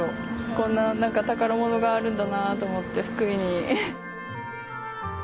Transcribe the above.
こんな宝物があるんだなと思って福井に。